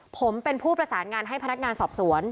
ผมเป็นผู้ประสานงานให้พนักงานสอบสวน